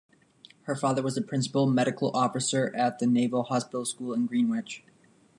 Her father was the Principal Medical Officer at the Naval Hospital School in Greenwich.